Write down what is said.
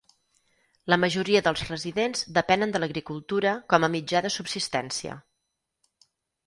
La majoria dels residents depenen de l'agricultura com a mitjà de subsistència.